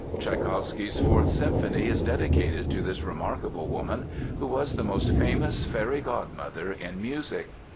Tschaikowsky's Fourth Symphony is dedicated to this remarkable woman, who was the most famous Fairy Godmother in music.